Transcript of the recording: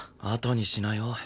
あとにしなよ？